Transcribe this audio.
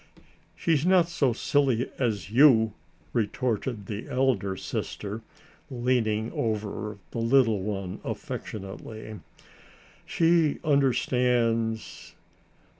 "She's not so silly as you!" retorted the elder sister, leaning over the little one affectionately. "She understands...."